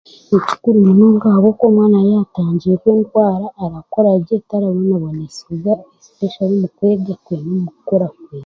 Ni kikuru munonga ahabwokuba omwana yaaba atangiirwe endwara, arakura gye t'arabonabonesebwa omukwega kweye n'omukukora kweye.